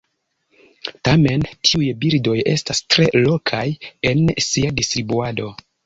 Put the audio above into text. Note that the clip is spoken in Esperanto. Tamen tiuj birdoj estas tre lokaj en sia distribuado.